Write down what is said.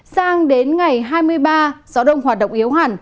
sang đến ngày hai mươi ba gió đông hoạt động yếu hẳn